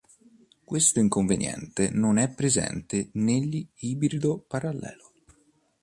Questo inconveniente non è presente negli "ibrido parallelo".